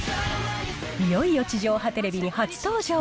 いよいよ地上波テレビに初登場。